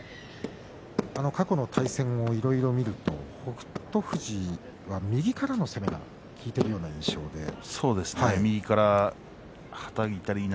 過去の対戦もいろいろ見ますと北勝富士右からの攻めが効いているのがそうですね